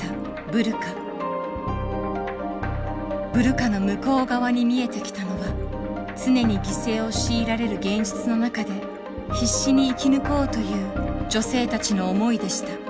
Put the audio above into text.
ブルカの向こう側に見えてきたのは常に犠牲を強いられる現実の中で必死に生き抜こうという女性たちの思いでした。